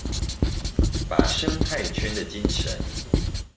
把生態圈的精神